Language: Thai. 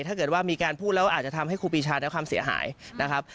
ถ้าเกิดว่ามีการพูดแล้วอาจจะทำให้ครูปีชาได้ความเสียหายนะครับ